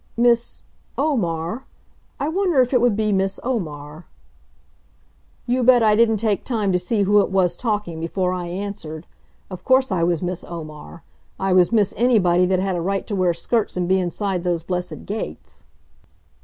"Miss Omar I wonder if it would be Miss Omar?" You bet I didn't take time to see who it was talking before I answered. Of course I was Miss Omar. I was Miss Anybody that had a right to wear skirts and be inside those blessed gates.